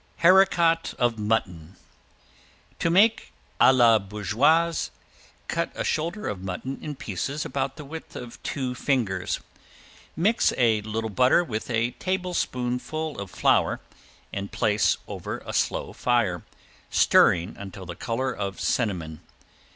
~HARICOT OF MUTTON~ To make a la bourgeoise, cut a shoulder of mutton in pieces about the width of two fingers. Mix a little butter with a tablespoonful of flour and place over a slow fire, stirring until the color of cinnamon.